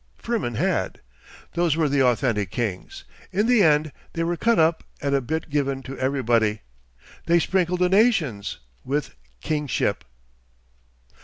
Firmin had. 'Those were the authentic kings. In the end they were cut up and a bit given to everybody. They sprinkled the nations—with Kingship.